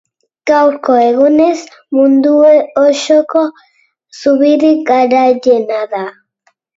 Gaurko egunez, mundu osoko zubirik garaiena da.